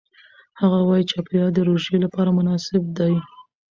هغه وايي چاپېریال د روژې لپاره مناسب دی.